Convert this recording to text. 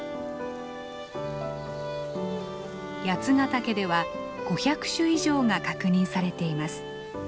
八ヶ岳では５００種以上が確認されています。